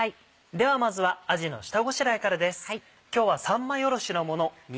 ではまずはあじの下ごしらえからです。